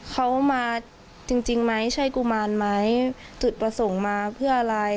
เขามาจริงไหมใช่กุมารไหมจุดประสงค์มาเพื่ออะไร